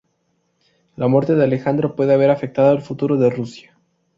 La muerte de Alejandro puede haber afectado el futuro de Rusia.